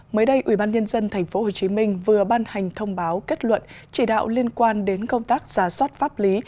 mới đây ubnd tp hcm vừa ban hành thông báo kết luận chỉ đạo liên quan đến công tác giả soát pháp lý